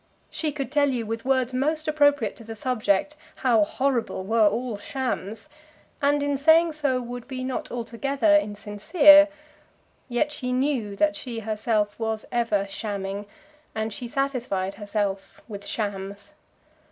She could tell you, with words most appropriate to the subject, how horrible were all shams, and in saying so would be not altogether insincere; yet she knew that she herself was ever shamming, and she satisfied herself with shams.